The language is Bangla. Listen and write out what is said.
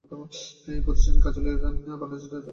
প্রতিষ্ঠানটির কার্যালয় বাংলাদেশের রাজধানী ঢাকায় অবস্থিত।